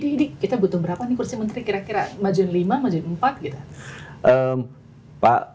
ini kita butuh berapa nih kursi menteri kira kira majuin lima majuin empat gitu